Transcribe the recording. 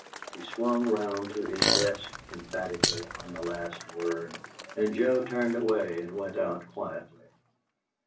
He swung round to his desk emphatically, on the last word, and Joe turned away and went out quietly.